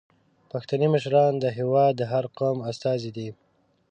پښتني مشران د هیواد د هر قوم استازي دي.